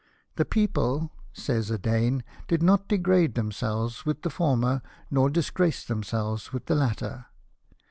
" The people," says a Dane, " did not degrade themselves with the former, nor disgrace themselves with the latter.